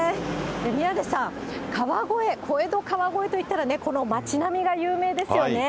宮根さん、川越、小江戸川越といったらこの街並みが有名ですよね。